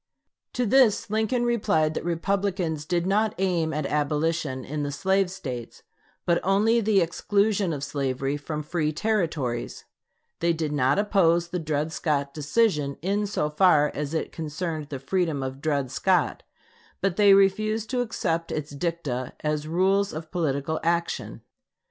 To this Lincoln replied that Republicans did not aim at abolition in the slave States, but only the exclusion of slavery from free Territories; they did not oppose the Dred Scott decision in so far as it concerned the freedom of Dred Scott, but they refused to accept its dicta as rules of political action.